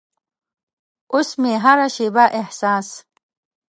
اوس مې هره شیبه احساس